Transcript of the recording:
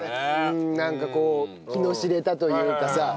なんかこう気の知れたというかさ。